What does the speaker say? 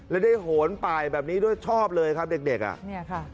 และได้โหนป่ายแบบนี้ด้วยชอบเลยครับเด็กอ่ะเนี่ยค่ะ